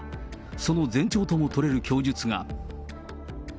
その前兆とも取れる供述が。